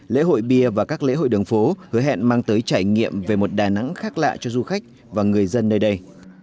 lễ hội bia và các lễ hội đường phố hứa hẹn mang tới trải nghiệm về một đà nẵng khác lạ cho du khách và người dân nơi đây